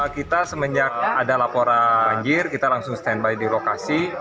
kita semenjak ada laporan banjir kita langsung standby di lokasi